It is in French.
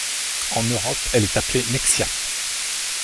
En Europe, elle est appelée Nexia.